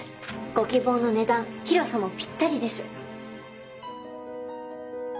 ご希望の値段広さもぴったりです。